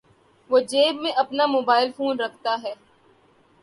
وہ جیب میں اپنا موبائل فون رکھتا ہے۔